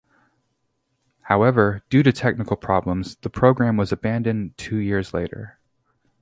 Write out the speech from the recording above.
However, due to technical problems, the program was abandoned two years later.